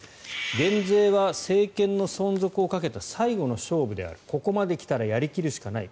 減税は政権の存続をかけた最後の勝負であるここまで来たらやり切るしかない。